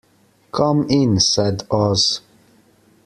"Come in," said Oz.